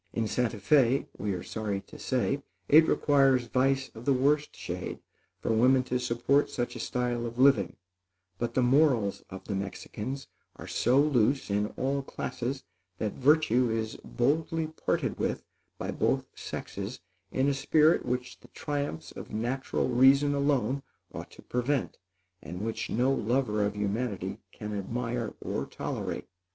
In Santa Fé, we are sorry to say, it requires vice of the worst shade for women to support such a style of living; but the morals of the Mexicans are so loose in all classes, that virtue is boldly parted with by both sexes in a spirit which the triumphs of natural reason alone ought to prevent, and which no lover of humanity can admire or tolerate.